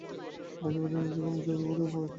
আশেপাশে নিশ্চয়ই কোনো চাঁপা ফুলের গাছ আছে।